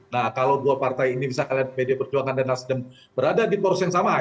nah kalau dua partai ini bisa kalian pd perjuangan dan nasdem berada di poros yang sama